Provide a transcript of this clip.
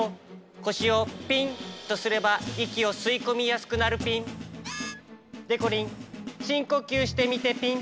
こしをピンとすればいきをすいこみやすくなるピン。でこりんしんこきゅうしてみてピン。